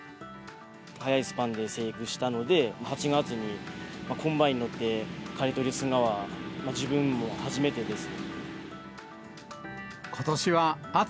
早いスパンで生育したので、８月にコンバインに乗って刈り取りするのは自分も初めてです。